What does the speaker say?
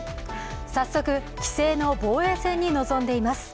早速、棋聖の防衛戦に臨んでいます